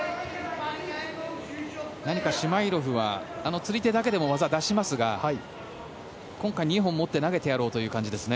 シュマイロフは釣り手だけでも技を出しますが今回、２本を持って投げてやろうという感じですね。